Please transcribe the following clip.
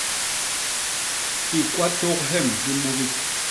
Hikwatôk hyem hi mbugi.